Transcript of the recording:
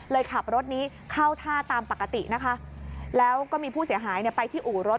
ขับรถนี้เข้าท่าตามปกตินะคะแล้วก็มีผู้เสียหายเนี่ยไปที่อู่รถ